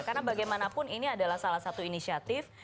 karena bagaimanapun ini adalah salah satu inisiatif